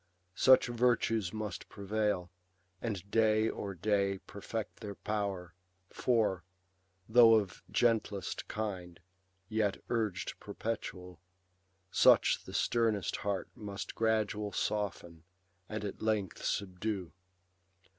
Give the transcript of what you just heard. Such virtues must prevail, and day o'er day Perfect their power ; for, though of gentlest kind. Yet urg'd perpetual, such the sternest heart Must gradual soften, and at length subdue.